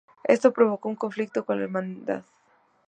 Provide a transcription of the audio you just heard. Esto provocó un conflicto con la hermandad.